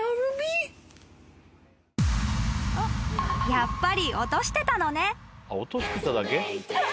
［やっぱり落としてたのね］